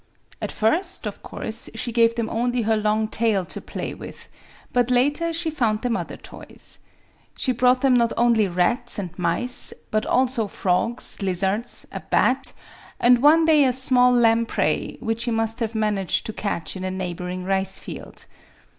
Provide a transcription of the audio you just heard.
At first, of course, she gave them only her long tail to play with ; but later she found them other toys. She Digitized by Google PATHOLOGICAL 221 brought them not only rats and mice, but also frogs, lizards, a bat, and one day a small lamprey, which she must have managed to catch in a neigh bouring rice field.